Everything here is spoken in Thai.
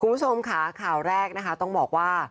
คุณผู้ชมค่ะข่าวแรกนะคะต้องบอกว่า